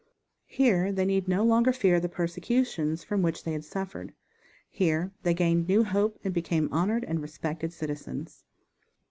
Here they need no longer fear the persecutions from which they had suffered. Here they gained new hope and became honored and respected citizens.